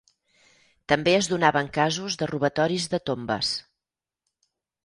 També es donaven casos de robatoris de tombes.